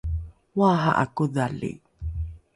oaha’a kodhali